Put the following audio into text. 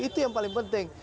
itu yang paling penting